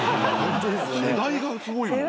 世代がすごいもん。